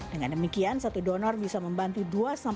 dengan demikian satu donor bisa membantu dua sampai tiga pasien maksimum